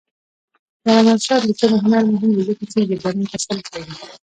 د علامه رشاد لیکنی هنر مهم دی ځکه چې ژبنی تسلط لري.